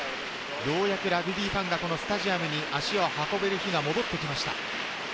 ようやくラグビーファンがスタジアムに足を運べる日が戻ってきました。